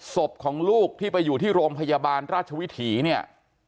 ศพของลูกที่ไปอยู่ที่โรงพยาบาลราชวิถีเนี่ย